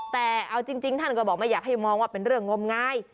แต่เอาจริงท่านก็บอกไม่อยากให้มองว่าเป็นเรื่องงมงาย